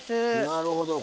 なるほど。